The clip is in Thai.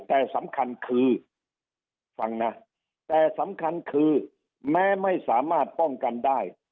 แต่สำคัญคือฟังนะแต่สำคัญคือแม้ไม่สามารถป้องกันได้